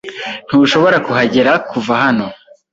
Ntushobora kuhagera kuva hano.